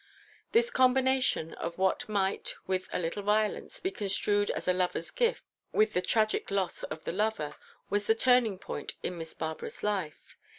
This combination of what might, with a little violence, be construed as a lover's gift with the tragic loss of the lover, was the turning point in Miss Barbara's life.